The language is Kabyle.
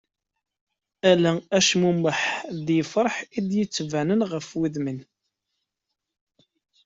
Ala acmumeḥ d lferḥ i d-yettbanen ɣef wudmaen.